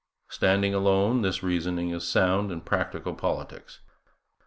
Standing alone, this reasoning is sound in practical politics.